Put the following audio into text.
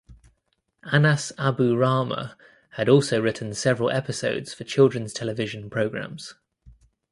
Anas Abu Rahma had also written several episodes for children’s television programs.